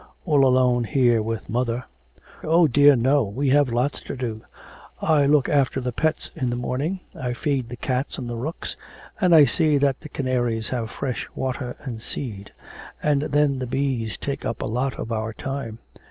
all alone here with mother.' 'Oh dear no! we have lots to do. I look after the pets in the morning. I feed the cats and the rooks, and I see that the canaries have fresh water and seed. And then the bees take up a lot of our time.